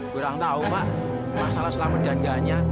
kurang tahu mbak masalah selamat dan enggaknya